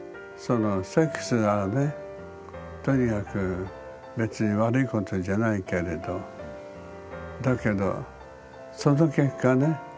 セックスがねとにかく別に悪いことじゃないけれどだけどその結果ね